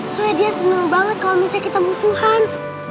soalnya dia senang banget kalau misalnya kita musuhan